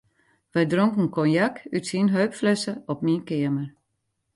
We dronken konjak út syn heupflesse op myn keamer.